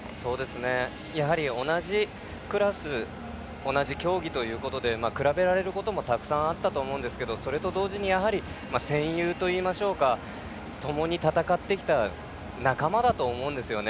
やはり同じクラス同じ競技ということで比べられることもたくさんあったと思いますがそれと同時に戦友といいましょうかともに戦ってきた仲間だと思うんですよね。